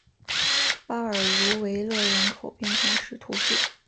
巴尔茹维勒人口变化图示